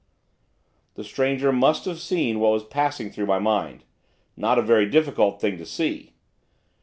The stranger must have seen what was passing through my mind, not a very difficult thing to see.